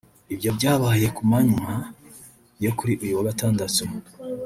Ibyo byabaye ku manywa yo kuri uyu wa gatandatu